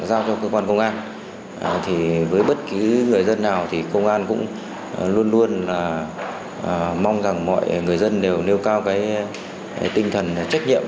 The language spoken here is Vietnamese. giao cho cơ quan công an với bất kỳ người dân nào công an luôn luôn mong mọi người dân nêu cao tinh thần trách nhiệm